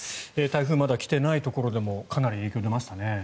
台風まだ来てないところでもかなり影響が出ましたね。